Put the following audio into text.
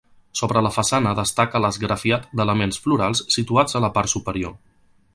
Sobre la façana destaca l'esgrafiat d'elements florals situats a la part superior.